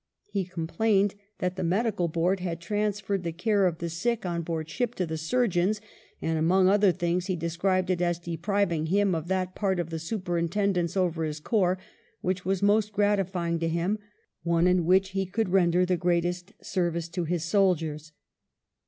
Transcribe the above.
He complained that the Medical Board had transferred the care of the sick on board ship to the surgeons, and among other things he de scribed it as depriving him of that part of the superin tendence over his corps which was most gratifying to him, one in which he could render the greatest service to his soldiers.